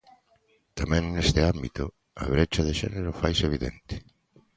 Tamén neste ámbito, a brecha de xénero faise evidente.